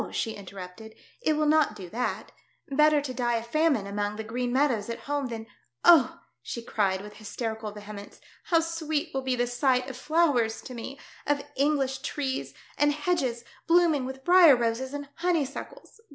she interrupted, "it will not do that. Better to die of famine among the Qfreen meadows at home than — oh !" she cried, with hysterical vehemence, "how sweet will be the sisfht of flowers to me, of Engflish trees, and hedges blooming with briar roses and honeysuckles.